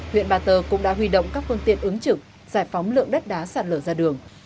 huyện ba tơ cũng đã huy động các phương tiện ứng trực giải phóng lượng đất đá sạt lở ra đường